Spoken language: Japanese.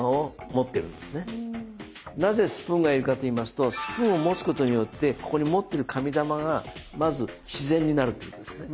なぜスプーンが要るかといいますとスプーンを持つことによってここに持ってる紙玉がまず自然になるっていうことですね。